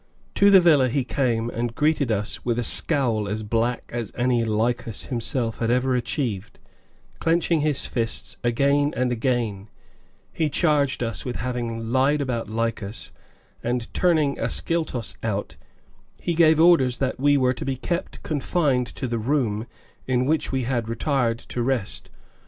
To the villa he came, and greeted us with a scowl as black as any Lycas himself had ever achieved, clenching his fists again and again, he charged us with having lied about Lycas, and, turning Ascyltos out, he gave orders that we were to be kept confined to the room in which we had retired to rest.